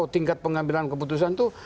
tingkat pengambilan keputusan itu